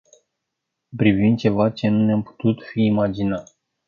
Privim ceva ce nu ne-am fi putut imagina.